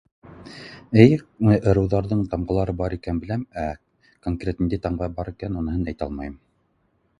Эйе ырыуҙарҙың тамғаларын бар икәнен беләм ә конкрет ниндәй тамға бар икәнен уныһын әйтә алмайым